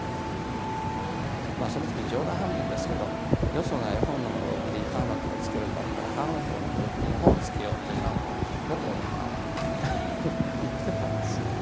その時冗談半分ですけどよそが絵本の付録に「母の友」付けるんだったら「母の友」の付録に絵本を付けようというようなことを言ってたんですよ。